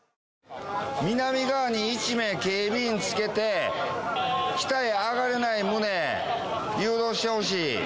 南側に１名警備員つけて、北へ上がれない旨、誘導してほしい。